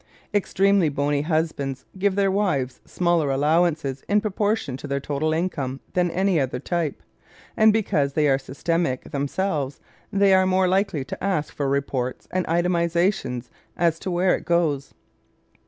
Extremely bony husbands give their wives smaller allowances in proportion to their total income than any other type, and because they are systematic themselves they are more likely to ask for reports and itemizations as to where it goes.